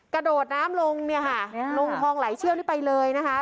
กระโดดน้ำลงเนี่ยค่ะลงคลองไหลเชี่ยวนี่ไปเลยนะคะ